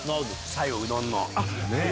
最後うどんの。